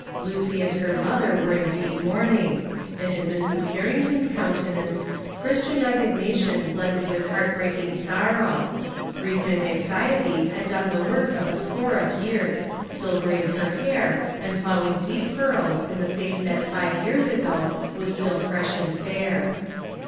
Lucy and her mother were in deep mourning, and in Mrs. Carrington's countenance Christian resignation blended with heart breaking sorrow; grief and anxiety had done the work of a score of years, silvering her hair and ploughing deep furrows in the face that five years ago was still fresh and fair.